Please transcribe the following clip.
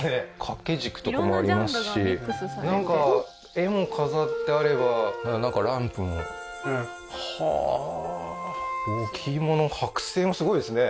掛け軸とかもありますしなんか絵も飾ってあればランプもはあー置物剥製もすごいですね